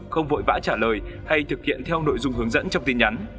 không vội vã trả lời hay thực hiện theo nội dung hướng dẫn trong tin nhắn